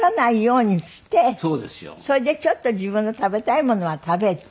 それでちょっと自分の食べたいものは食べて。